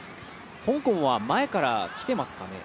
香港は前から来ていますかね。